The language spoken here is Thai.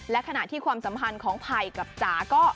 และขณะที่ความสัมพันธ์ของไผ่กับจ๋าก็